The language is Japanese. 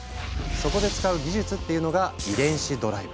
そこで使う技術っていうのが「遺伝子ドライブ」。